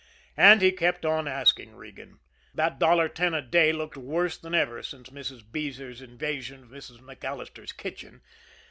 And he kept on asking Regan. That dollar ten a day looked worse than ever since Mrs. Beezer's invasion of Mrs. MacAllister's kitchen.